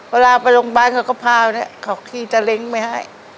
เวลาไปโรงพยาบาลเขาก็พาเนี่ยเขาขี่ตะเล้งไปให้